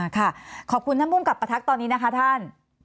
ขอบคุณท่านภูมิกับประทักตอนนี้นะคะท่าน